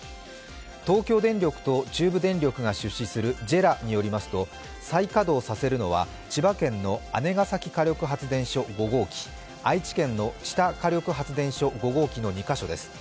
東京電力と中部電力が出資するＪＥＲＡによりますと、再稼働させるのは千葉県の姉崎火力発電所５号機、愛知県の知多火力発電所５号機の２カ所です。